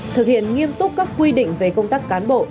thực hiện nghiêm túc các quy định về công tác cán bộ